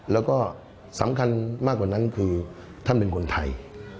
แล้วก็สำคัญมากกว่านั้นคือท่านเป็นคนไทย